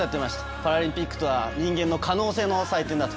パラリンピックとは人間の可能性の祭典だと。